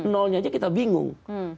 nolnya saja kita bingung